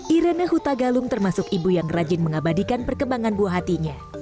irena hutagalung termasuk ibu yang rajin mengabadikan perkembangan buah hatinya